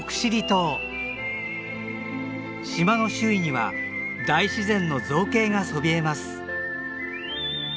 島の周囲には大自然の造形がそびえます。